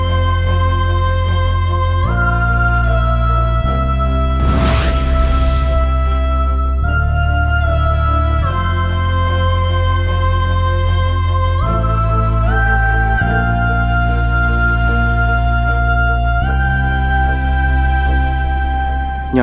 jika kau sebenarnya hanyalah